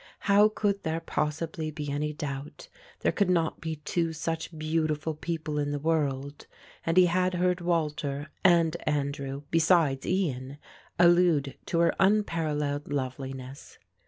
How could there possibly be any doubt; there could not be two such beautiful people in the world; and he had heard Walter and Andrew, besides Ian, allude to her unparalleled loveliness.